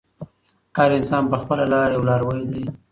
هر انسان په خپله لاره یو لاروی دی.